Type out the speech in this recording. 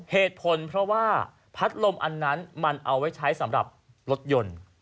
เหตุผลเพราะว่าพัดลมอันนั้นมันเอาไว้ใช้สำหรับรถยนต์